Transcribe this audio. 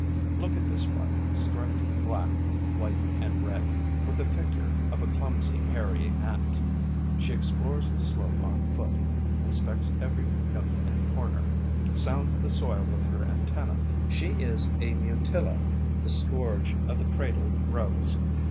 Look at this one, striped black, white and red, with the figure of a clumsy, hairy Ant. She explores the slope on foot, inspects every nook and corner, sounds the soil with her antennae. She is a Mutilla, the scourge of the cradled grubs.